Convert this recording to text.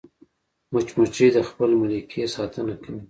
مچمچۍ د خپل ملکې ساتنه کوي